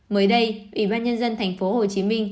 mới đây ủy ban nhân dân tp hcm